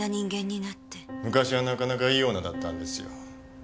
昔はなかなかいい女だったんですよ。